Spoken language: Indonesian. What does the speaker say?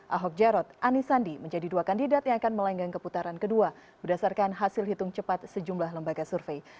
ahok jarot anies sandi menjadi dua kandidat yang akan melenggang ke putaran kedua berdasarkan hasil hitung cepat sejumlah lembaga survei